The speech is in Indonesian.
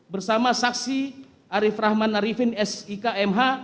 bersama saksi arief rahman arifin sik mh